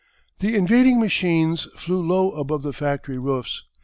_] The invading machines flew low above the factory roofs.